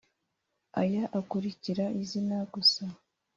aya akurikira izina gusa